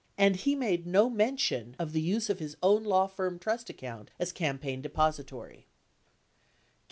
And he made no mention of the use of his own law firm trust account as campaign depository.